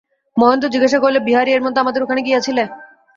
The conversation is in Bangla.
মহেন্দ্র জিজ্ঞাসা করিল, বিহারী, এর মধ্যে আমাদের ওখানে গিয়াছিলে?